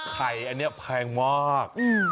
อันนี้แพงมาก